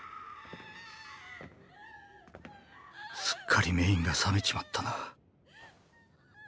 すっかりメインが冷めちまったな。